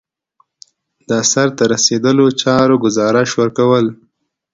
د سرته رسیدلو چارو ګزارش ورکول.